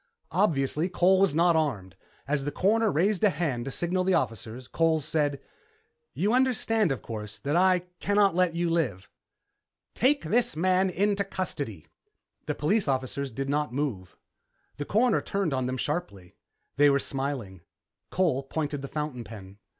Obviously, Cole was not armed. As the Coroner raised a hand to signal the officers, Cole said, "You understand, of course, that I can't let you live." "Take this man into custody." The police officers did not move. The Coroner turned on them sharply. They were smiling. Cole pointed the fountain pen.